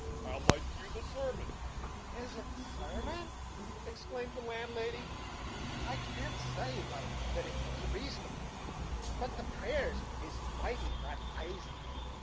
How liked you the sermon?" "Is it the sarmon?" exclaimed the landlady. "I can't say but it was rasonable; but the prayers is mighty unasy.